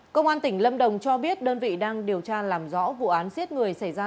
công an tỉnh lâm đồng cho biết đơn vị đang điều tra làm rõ vụ án giết người xảy ra